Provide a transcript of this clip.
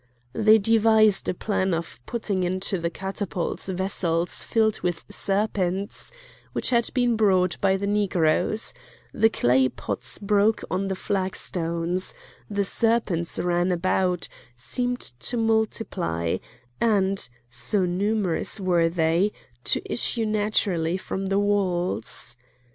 They devised a plan of putting into the catapults vessels filled with serpents which had been brought by the Negroes; the clay pots broke on the flag stones, the serpents ran about, seemed to multiply, and, so numerous were they, to issue naturally from the walls.